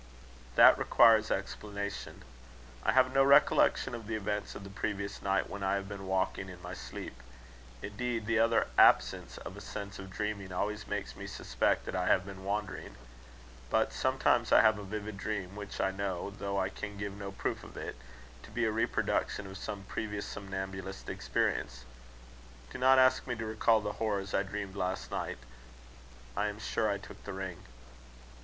"That requires explanation. I have no recollection of the events of the previous night when I have been walking in my sleep. Indeed, the utter absence of a sense of dreaming always makes me suspect that I have been wandering. But sometimes I have a vivid dream, which I know, though I can give no proof of it, to be a reproduction of some previous somnambulic experience. Do not ask me to recall the horrors I dreamed last night. I am sure I took the ring."